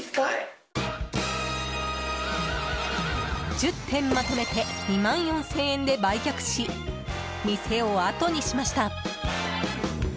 １０点まとめて２万４０００円で売却し店をあとにしました。